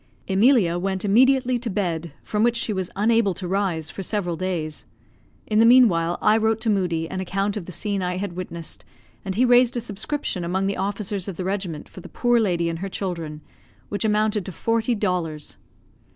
Emilia went immediately to bed, from which she was unable to rise for several days. In the meanwhile I wrote to Moodie an account of the scene I had witnessed, and he raised a subscription among the officers of the regiment for the poor lady and her children, which amounted to forty dollars.